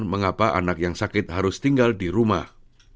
mengapa anak yang sakit harus tinggal di rumah